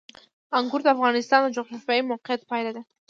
انګور د افغانستان د جغرافیایي موقیعت پایله ده.